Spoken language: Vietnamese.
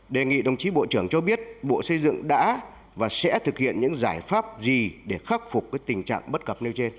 đề nghị đồng chí bộ trưởng cho biết bộ xây dựng đã và sẽ thực hiện những giải pháp gì để khắc phục tình trạng bất cập nêu trên